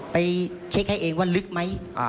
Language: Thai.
ไปเช็คให้เองว่าลึกไหม